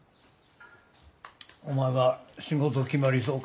お前は仕事決まりそうか？